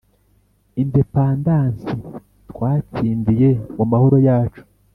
Indepandansi twatsindiye mu mahoro yacu